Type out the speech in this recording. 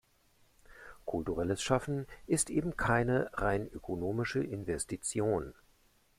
Kulturelles Schaffen ist eben keine rein ökonomische Investition.